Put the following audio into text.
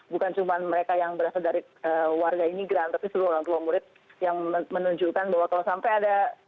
bukan dari warga imigran tapi seluruh orang tua murid yang menunjukkan bahwa kalau sampai ada